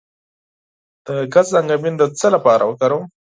د ګز انګبین د څه لپاره وکاروم؟